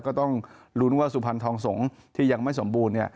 ก็ต้องลุ้นว่าสุพรรณทองสงฆ์ที่ยังไม่สมบูรณ์